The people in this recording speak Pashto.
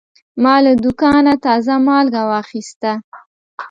ما له دوکانه تازه مالګه واخیسته.